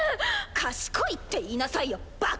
賢いって言いなさいよバカ！